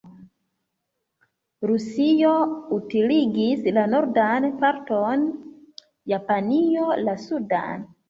Rusio utiligis la nordan parton, Japanio la sudan.